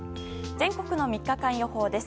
全国の３日間予報です。